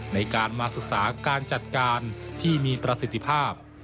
ในการมาศึกษาการจัดการที่มีประสิทธิภาพ